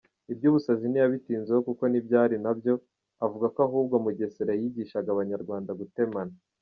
Iby’ubusazi ntiyabitinzeho kuko ntibyari na byo, avuga ko ahubwo Mugesera yigishaga Abanyarwanda “gutemana”.